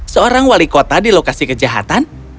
seorang wali kota di lokasi kejahatan